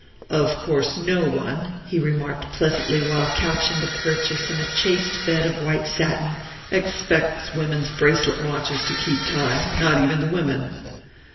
"Of course no one," he remarked pleasantly while couching the purchase in a chaste bed of white satin, "expects women's bracelet watches to keep time. Not even the women."